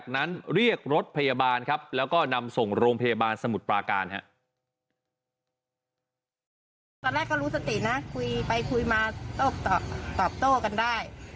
ตอนแรกก็รู้สตินะคุยไปคุยมาตอบโต้กันได้